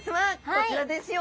こちらですよ。